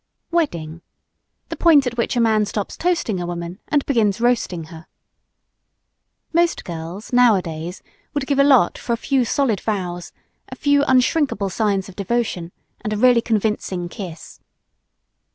WEDDING: The point at which a man stops toasting a woman and begins roasting her. Most girls, nowadays, would give a lot for a few solid vows, a few unshrinkable signs of devotion and a really convincing kiss.